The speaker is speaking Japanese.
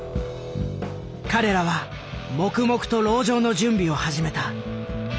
彼らは黙々と籠城の準備を始めた。